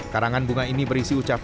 karangan bunga ini berisi ucapan